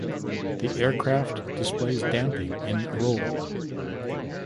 The aircraft displays damping in roll.